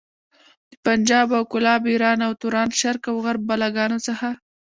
د پنجاب او کولاب، ايران او توران، شرق او غرب بلاګانو څخه.